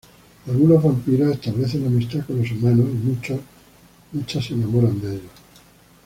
Algunos vampiros establecen amistad con los humanos y muchas se enamoran de ellos.